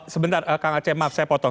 sebentar kang aceh maaf saya potong